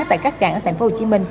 tại các cạn ở tp hcm